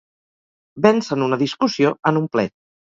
Vèncer en una discussió, en un plet.